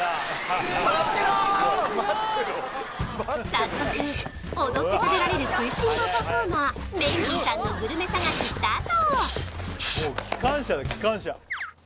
早速踊って食べられる食いしん坊パフォーマーメンディーさんのグルメ探しスタート！